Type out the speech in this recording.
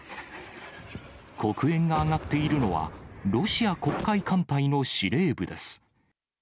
黒煙が上がっているのは、ロシア黒海艦隊の司令部です。